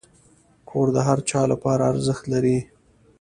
کور د هر چا لپاره ارزښت لري.